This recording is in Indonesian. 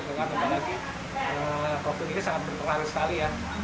dan lagi lagi profil ini sangat berkelar sekali